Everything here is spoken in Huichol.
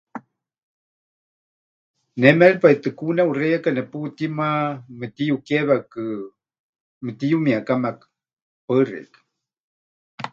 Ne méripai tɨ ku neʼuxeiyaka neputíma mɨtiyukewekɨ, mɨtiyumiekamekɨ. Paɨ xeikɨ́a.